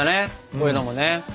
こういうのもね。